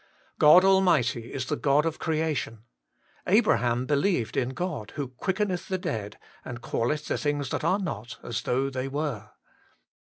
God Almighty is the God of Creation : Abraham believed in God, ' who quickeneth the dead, and calleth the things that are not as though they were.'